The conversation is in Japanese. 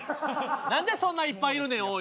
何でそんないっぱいいるねんおい。